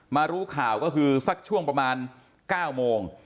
รู้ข่าวก็คือสักช่วงประมาณ๙โมง